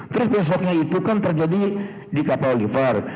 terus besoknya itu kan terjadi di kapoliver